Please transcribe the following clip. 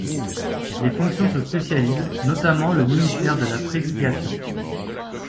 Les fonctions se spécialisent, notamment le ministère de la prédication.